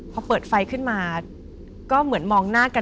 พอเปิดไฟขึ้นมาก็เหมือนมองหน้ากัน